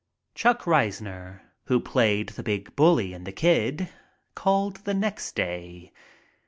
Chuck Reisner, who played the big bully in "The Kid," called the next day.